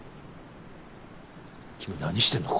君何してんの？